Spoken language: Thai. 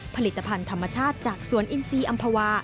ผลิตภัณฑ์ธรรมชาติจากสวนอินซีอำภาวา